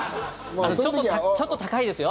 ちょっと高いですよ。